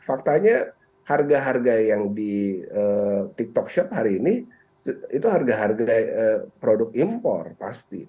faktanya harga harga yang di tiktok shop hari ini itu harga harga produk impor pasti